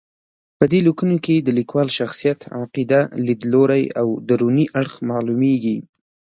په دې لیکنو کې د لیکوال شخصیت، عقیده، لید لوری او دروني اړخ معلومېږي.